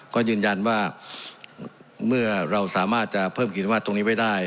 ก็ยืนยันว่าเมื่อเราสามารถจะเพิ่มกิจวัตรตรงนี้ไว้ได้